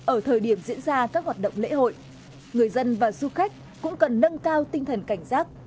ở thời điểm diễn ra các hoạt động lễ hội người dân và du khách cũng cần nâng cao tinh thần cảnh giác